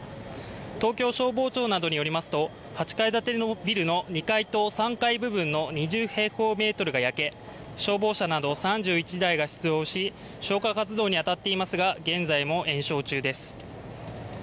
東京消防庁などによりますと、８階建てのビルの２階と３階部分の２０平方メートルが焼け消防車など３１台が出動し、消火活動に当たっていますが、現在も延焼中です。